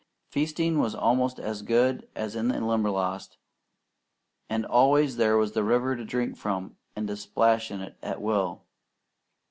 Feasting was almost as good as in the Limberlost, and always there was the river to drink from and to splash in at will.